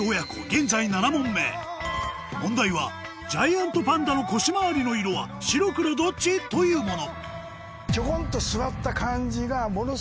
現在７問目問題はジャイアントパンダの腰回りの色は白黒どっち？というもの